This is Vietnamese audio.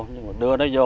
nhưng mà đưa nó vô